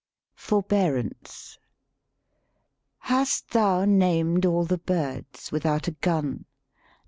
FORBEARANCE Hast thou named all the birds without a gun